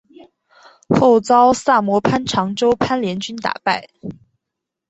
后遭萨摩藩长州藩联军打败。